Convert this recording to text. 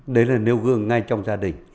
đấy là nêu gương ngay trong gia đình